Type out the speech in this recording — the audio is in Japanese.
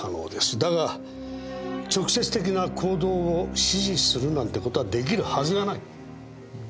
だが直接的な行動を指示するなんてことはできるはずがない。